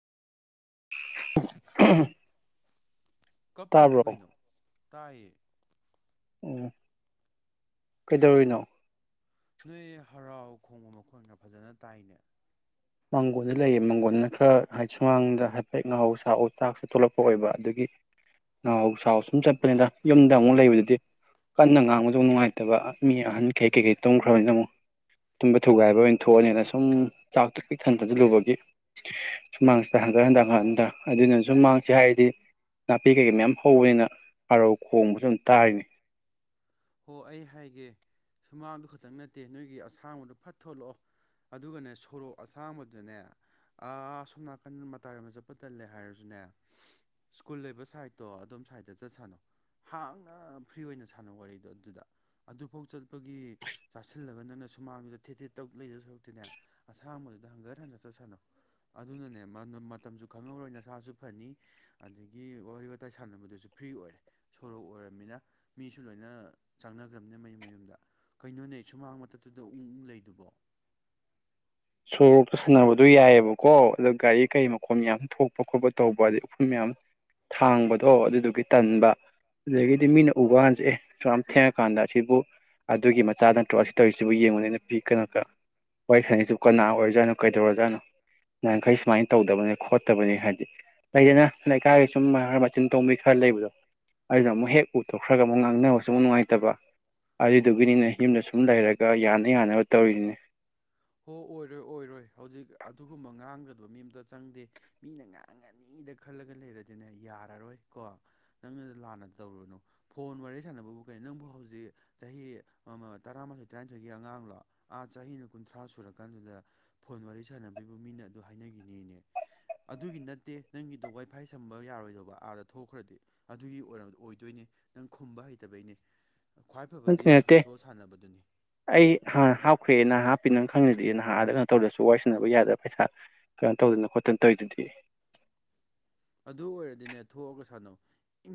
[inaudible] ꯀꯞꯄꯤꯔꯣ ꯇꯥꯕ꯭ꯔꯣ ꯀꯩꯅꯣ ꯇꯥꯏꯌꯦ ꯑꯣ ꯀꯩꯗꯧꯔꯤꯅꯣ ꯅꯣꯏ ꯍꯔꯥꯎ ꯈꯣꯡꯕ ꯃꯈꯣꯟꯒ ꯐꯖꯅ ꯇꯥꯏꯅꯦ ꯃꯥꯡꯒꯣꯜꯗ ꯂꯩꯌꯦ ꯃꯥꯡꯒꯣꯟꯅ ꯈꯔ ꯍꯥꯏ ꯁꯨꯃꯥꯡꯗ ꯍꯥꯏꯐꯦꯠ ꯉꯥꯍꯧ ꯁ ꯆꯥꯛꯁꯦ ꯊꯣꯛꯂꯛꯄ ꯑꯣꯏꯕ ꯑꯗꯨꯗꯒꯤ ꯉꯍꯧ ꯁ ꯁꯨꯝ ꯆꯠꯄꯅꯤꯅ ꯌꯨꯝꯗ ꯑꯃꯨꯛ ꯂꯩꯕꯗꯨꯗꯤ ꯀꯟꯅ ꯉꯥꯡꯕꯗ ꯅꯨꯡꯉꯥꯏꯇꯕ ꯃꯤ ꯑꯍꯟ ꯀꯩ ꯀꯩꯀꯩ ꯇꯨꯝꯈ꯭ꯔꯕꯅꯤꯅ ꯑꯃꯨꯛ ꯇꯨꯝꯕ ꯊꯨꯒꯥꯏꯕ ꯑꯣꯏꯅ ꯊꯣꯛꯑꯅꯤꯅ ꯁꯨꯝ ꯆꯥꯛ ꯄꯤꯛ ꯊꯟꯅ ꯆꯥꯁꯤꯜꯂꯨꯕꯒꯤ ꯁꯨꯃꯥꯡꯁꯤꯗ ꯍꯟꯀꯠ ꯍꯟꯊꯛ ꯍꯟꯒꯠ ꯍꯟꯗ ꯑꯗꯨꯗꯨꯅ ꯁꯨꯝꯃꯥꯡꯁꯤ ꯍꯥꯏꯔꯗꯤ ꯅꯥꯄꯤ ꯀꯩꯀꯩ ꯃꯌꯥꯝ ꯍꯧꯋꯦꯅ ꯍꯥꯔꯧ ꯈꯣꯡꯕꯁꯨ ꯑꯗꯨꯝ ꯇꯥꯔꯤꯅꯤ ꯍꯣ ꯑꯩ ꯍꯥꯏꯒꯦ ꯁꯨꯃꯥꯡꯗꯨ ꯈꯛꯇꯪ ꯅꯠꯇꯦ ꯅꯣꯏꯒꯤ ꯑꯁꯥꯡꯕꯗꯣ ꯐꯠ ꯊꯣꯛꯂꯛꯑꯣ ꯑꯗꯨꯒꯅꯦ ꯁꯣꯔꯣꯛ ꯑꯁꯥꯡꯕꯗꯨꯅꯦ ꯑꯁꯣꯝ ꯅꯥꯀꯟ ꯃꯇꯥꯏꯔ‌ꯣꯝ ꯆꯠꯄ ꯇꯜꯂꯦ ꯍꯥꯏꯔꯁꯨꯅꯦ ꯁ꯭ꯀꯨꯜ ꯂꯩꯕ ꯁꯥꯏꯠꯇꯣ ꯑꯗꯣꯝ ꯁꯥꯏꯗ ꯆꯠ ꯁꯥꯥꯅꯣ ꯍꯥꯡꯅ ꯐ꯭ꯔꯤ ꯑꯣꯏꯅ ꯁꯥꯟꯅꯧ ꯋꯥꯔꯤ ꯑꯗꯨ ꯑꯗꯨꯗ ꯑꯗꯨꯐꯥꯎ ꯆꯠꯄꯒꯤ ꯆꯥꯁꯤꯜꯂꯒ ꯅꯪꯅ ꯁꯨꯃꯥꯡꯗꯨꯗ ꯊꯦꯠ ꯊꯦꯠ ꯇꯧ ꯂꯩꯗꯧ ꯁꯔꯨꯛꯇꯤꯅꯦ ꯑꯁꯥꯡꯕꯗꯨꯗ ꯍꯪꯒꯠ ꯍꯟꯗꯥ ꯆꯠ ꯁꯥꯟꯅꯧ ꯑꯗꯨꯅꯅꯦ ꯃꯇꯝꯁꯨ ꯈꯪꯍꯧꯔꯣꯏ ꯅꯁꯥꯁꯨ ꯐꯅꯤ ꯑꯗꯒꯤ ꯋꯥꯔꯤ ꯋꯥꯇꯥꯏ ꯁꯥꯟꯅꯕꯗꯨꯁꯨ ꯐ꯭ꯔꯤ ꯑꯣꯏꯔꯦ ꯁꯣꯔꯣꯛ ꯑꯣꯏꯔꯕꯅꯤꯅ ꯃꯤꯁꯨ ꯂꯣꯏꯅ ꯆꯪꯅꯈ꯭ꯔꯕꯅꯦ ꯃꯌꯨꯝ ꯃꯌꯨꯝꯗ ꯀꯩꯅꯣꯅꯦ ꯁꯨꯃꯥꯡ ꯃꯊꯛꯇꯨꯗ ꯎꯛ ꯂꯩꯗꯨꯕꯣ ꯁꯣꯔꯣꯛꯇ ꯁꯥꯟꯅꯕꯗꯣ ꯌꯥꯏꯑꯦꯕꯀꯣ ꯑꯗꯣ ꯒꯥꯔꯤ ꯀꯔꯤ ꯃꯈꯣꯟ ꯌꯥꯝ ꯊꯣꯛꯄ ꯈꯣꯠꯄ ꯇꯧꯕ ꯑꯗꯩ ꯎꯐꯨꯝ ꯃꯌꯥꯝ ꯊꯥꯡꯕꯗꯣ ꯑꯗꯨꯗꯨꯒꯤ ꯇꯟꯕ ꯑꯗꯨꯗꯒꯤꯗꯤ ꯃꯤꯅ ꯎꯕ ꯀꯥꯟꯁꯨ ꯑꯦ ꯁꯨ ꯌꯥꯝ ꯊꯦꯡꯉꯀꯥꯟꯗ ꯑꯁꯤꯕꯨ ꯑꯗꯨꯒꯤ ꯃꯆꯥ ꯅꯠꯇ꯭ꯔꯣ ꯑꯁꯤ ꯇꯧꯔꯤꯁꯤꯕꯨ ꯌꯦꯡꯉꯨꯅꯤꯅ ꯄꯤ ꯀꯩꯅꯣ ꯀ ꯋꯥꯔꯤ ꯁꯥꯟꯅꯩꯁꯤ ꯀꯅꯥ ꯑꯣꯏꯔꯖꯥꯠꯅꯣ ꯀꯩꯗꯧꯔꯖꯥꯠꯅꯣ ꯅꯍꯟꯈꯩ ꯁꯨꯃꯥꯏꯅ ꯇꯧꯗꯕꯅꯤ ꯈꯣꯠꯇꯕꯅꯤ ꯍꯥꯏꯕꯗꯤ ꯂꯩꯗꯅ ꯂꯩꯀꯥꯏꯒꯤ ꯁꯨꯝ ꯃꯆꯤꯟ ꯇꯣꯡꯕꯤ ꯈꯔ ꯂꯩꯕꯗꯣ ꯑꯗꯨꯗ ꯑꯃꯨꯛ ꯍꯦꯛ ꯎꯊꯣꯛꯈ꯭ꯔꯒ ꯑꯃꯨꯛ ꯉꯥꯡꯅꯕꯁꯨ ꯑꯃꯨꯛ ꯅꯨꯡꯉꯥꯏꯇꯕ ꯑꯗꯨꯗꯨꯒꯤꯅꯤꯅꯦ ꯌꯨꯝꯗ ꯁꯨꯝ ꯂꯩꯔꯒ ꯌꯥꯅ ꯌꯥꯅꯕ ꯇꯧꯔꯤꯗꯨꯅꯦ ꯍꯣ ꯑꯣꯏꯔꯣꯏ ꯑꯣꯏꯔꯣꯏ ꯍꯧꯖꯤꯛ ꯑꯗꯨꯒꯨꯝꯕ ꯉꯥꯡꯒꯗꯨꯕ ꯃꯤ ꯑꯝꯇ ꯆꯪꯗꯦ ꯃꯤꯅ ꯉꯥꯡꯉꯅꯤꯗ ꯈꯜꯂꯒ ꯂꯩꯔꯗꯤꯅꯦ ꯌꯥꯔꯔꯣꯏ ꯀꯣ ꯅꯪꯅ ꯂꯥꯟꯅ ꯇꯧꯔꯨꯅꯨ ꯐꯣꯟ ꯋꯥꯔꯤ ꯁꯥꯟꯅꯕꯕꯨ ꯀꯩꯅꯣ ꯅꯪꯕꯨ ꯍꯧꯖꯤꯛ ꯆꯍꯤ ꯑꯃ ꯇꯔꯥꯃꯥꯊꯣꯏ ꯇꯔꯥꯅꯤꯊꯣꯏꯒꯤ ꯑꯉꯥꯡꯂꯣ ꯑꯥ ꯆꯍꯤꯅ ꯀꯨꯟꯊ꯭ꯔꯥ ꯁꯨ ꯁꯨꯔꯀꯥꯟꯗꯨꯗ ꯐꯣꯟ ꯋꯥꯔꯤ ꯁꯥꯟꯅꯕꯤꯕ ꯃꯤꯅ ꯑꯗꯨ ꯍꯥꯏꯅꯈꯤꯅꯤꯅꯦ ꯑꯗꯨꯒꯤ ꯅꯠꯇꯦ ꯅꯪꯒꯤꯗꯣ ꯋꯥꯏꯐꯥꯏ ꯁꯝꯕ ꯌꯥꯔꯣꯏꯗꯧꯕ ꯑꯥꯗ ꯊꯣꯛꯈ꯭ꯔꯗꯤ ꯑꯗꯨꯒꯤ ꯑꯣꯏꯔꯕ ꯑꯣꯏꯗꯣꯏꯅꯦ ꯅꯪ ꯈꯨꯝꯕ ꯍꯩꯇꯕꯩꯅꯦ ꯈ꯭ꯋꯥꯏ ꯅꯠꯇꯦ ꯐꯕꯗꯤ ꯑꯁꯣꯝꯗ ꯅꯠꯇꯦ ꯊꯣꯛꯑ ꯁꯥꯟꯅꯕꯗꯨꯅꯤ ꯑꯩ ꯍꯥꯞꯈ꯭ꯔꯦꯅ ꯍꯥꯞ ꯄꯤ ꯅꯪ ꯈꯪꯅꯗꯦ ꯅꯍꯥ ꯑꯗ ꯀꯩꯅꯣ ꯇꯧꯗ꯭ꯔꯁꯨ ꯋꯥꯏ ꯁꯟꯅꯅꯕ ꯌꯥꯗꯕ ꯄꯩꯁꯥ ꯀꯩꯅꯣ ꯇꯧꯗꯅ ꯈꯣꯠꯇꯅ ꯇꯧꯔꯤꯗꯨꯗꯤ ꯑꯗꯨ ꯑꯣꯏꯔꯗꯤꯅꯦ ꯊꯣꯛꯑꯒ ꯁꯥꯟꯅꯧ